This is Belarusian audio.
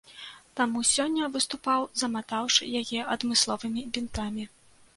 Таму сёння выступаў заматаўшы яе адмысловымі бінтамі.